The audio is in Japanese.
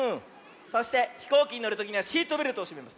そしてひこうきにのるときにはシートベルトをしめます。